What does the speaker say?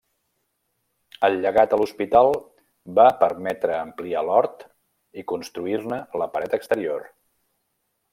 El llegat a l'hospital va permetre ampliar l'hort i construir-ne la paret exterior.